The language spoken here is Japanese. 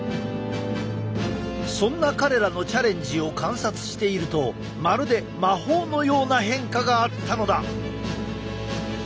そんな彼らのチャレンジを観察しているとまるで魔法のような変化があったのだ。